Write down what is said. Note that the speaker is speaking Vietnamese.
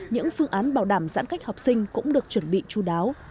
những phương án bảo đảm giãn cách học sinh cũng được chuẩn bị chú đáo